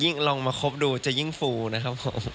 ลองมาครบดูจะยิ่งฟูนะครับผม